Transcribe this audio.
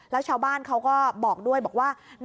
แล้วชาวบ้านเขาก็บอกด้วยบอกว่า